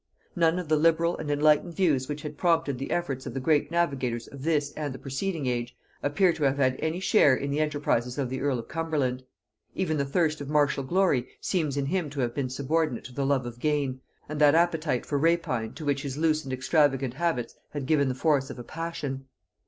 None of the liberal and enlightened views which had prompted the efforts of the great navigators of this and a preceding age appear to have had any share in the enterprises of the earl of Cumberland. Even the thirst of martial glory seems in him to have been subordinate to the love of gain, and that appetite for rapine to which his loose and extravagant habits had given the force of a passion.